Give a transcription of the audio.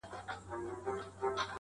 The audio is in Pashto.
په يوه چپلاخه د سلو مخ خوږېږي.